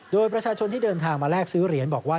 โดยประชาชนที่เดินทางมาแลกซื้อเหรียญบอกว่า